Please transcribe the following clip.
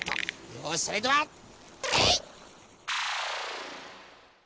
よしそれではえい！